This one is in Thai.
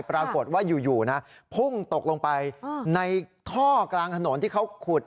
ปรากฏว่าอยู่นะพุ่งตกลงไปในท่อกลางถนนที่เขาขุด